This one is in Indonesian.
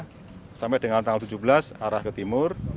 sampai dengan tanggal tujuh belas arah ke timur